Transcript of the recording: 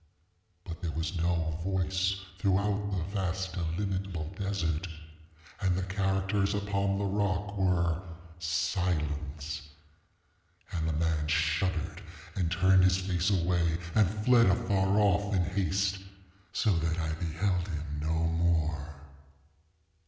But there was no voice throughout the vast illimitable desert, and the characters upon the rock were SILENCE. And the man shuddered, and turned his face away, and fled afar off, in haste, so that I beheld him no more.